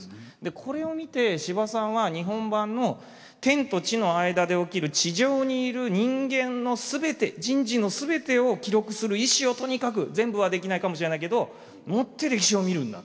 これを見て司馬さんは日本版の天と地の間で起きる地上にいる人間の全て人事の全てを記録する意志をとにかく全部はできないかもしれないけど持って歴史を見るんだと。